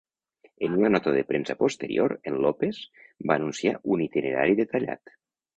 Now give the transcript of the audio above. En una nota de premsa posterior, en López va anunciar un itinerari detallat.